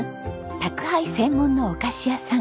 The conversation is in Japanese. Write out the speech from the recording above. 宅配専門のお菓子屋さん。